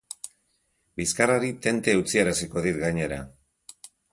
Bizkarrari tente eutsiaraziko dit, gainera.